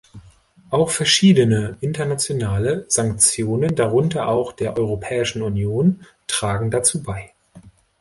Auch verschiedene internationale Sanktionen, darunter auch der Europäischen Union, tragen dazu bei.